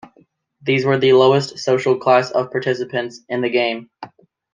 These were the lowest social class of participants in the games.